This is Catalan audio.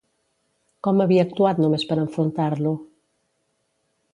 Com havia actuat només per enfrontar-lo?